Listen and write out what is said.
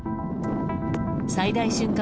最大瞬間